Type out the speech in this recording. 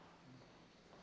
gak ada apa apa